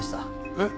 えっ？